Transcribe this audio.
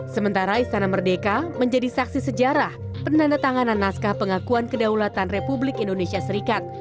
sementara istana merdeka menjadi saksi sejarah penandatanganan naskah pengakuan kedaulatan republik indonesia serikat